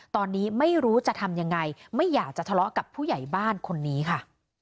ตอนนี้ไม่รู้จะทำยังไงไม่อยากจะทะเลาะกับผู้ใหญ่บ้านคนนี้ค่ะ